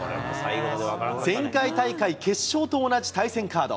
前回大会決勝と同じ対戦カード。